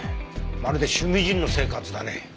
まるで趣味人の生活だね。